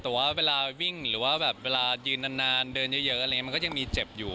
แต่ว่าเวลาวิ่งหรือเวลายืนนานเดินเยอะมันก็ยังมีเจ็บอยู่